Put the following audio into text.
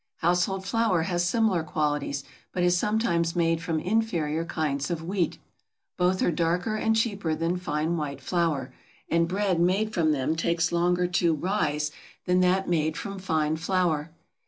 "Household Flour" has similar qualities, but is sometimes made from inferior kinds of wheat. Both are darker and cheaper than fine white flour; and bread made from them takes longer to "rise" than that made from fine flour.